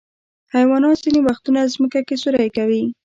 حیوانات ځینې وختونه ځمکه کې سوری کوي.